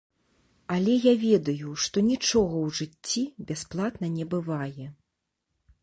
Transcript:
Але я ведаю, што нічога ў жыцці бясплатна не бывае.